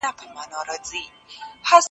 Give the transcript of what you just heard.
کارګرانو نه سو کولای چي خپلو کارونو ته ولاړ سي.